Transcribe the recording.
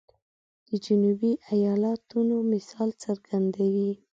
د جنوبي ایالاتونو مثال څرګندوي.